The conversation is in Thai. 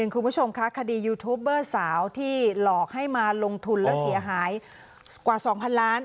คุณผู้ชมคะคดียูทูปเบอร์สาวที่หลอกให้มาลงทุนแล้วเสียหายกว่า๒๐๐๐ล้าน